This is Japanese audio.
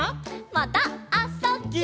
また「あ・そ・」。「ぎゅ」